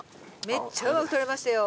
めっちゃうまく取れましたよ。